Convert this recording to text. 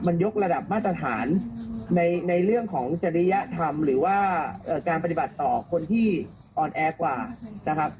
มันยกระดับมาตรฐานในเรื่องของจริยธรรมหรือว่าการปฏิบัติต่อคนที่อ่อนแอกว่านะครับ